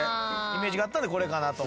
イメージがあったんでこれかなと。